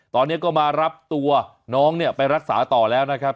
ตอนนี้ก็มารับตัวน้องเนี่ยไปรักษาต่อแล้วนะครับ